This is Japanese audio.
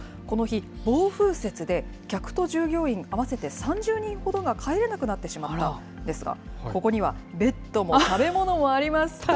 この日、暴風雪で客と従業員合わせて３０人ほどが帰れなくなってしまったんですが、ここにはベッドも食べ物もあります。